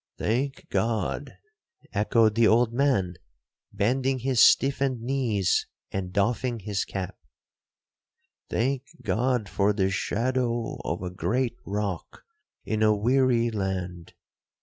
'Thank God,' echoed the old man, bending his stiffened knees, and doffing his cap—'Thank God for this 'shadow of a great rock in a weary land!''